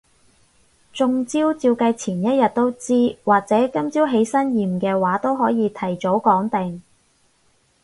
中招照計前一日都知，或者今朝起身驗嘅話都可以提早講定